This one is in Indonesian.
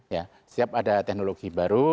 setiap ada teknologi baru